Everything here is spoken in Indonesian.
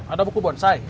ada buku bonsai